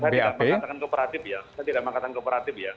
saya tidak mengatakan kooperatif ya saya tidak mengatakan kooperatif ya